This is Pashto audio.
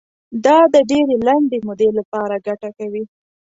دا د ډېرې لنډې مودې لپاره ګټه کوي.